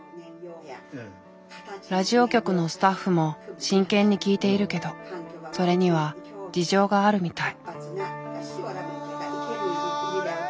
ラジオ局のスタッフも真剣に聴いているけどそれには事情があるみたい。